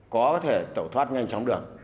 có thể thổ thoát nhanh chóng được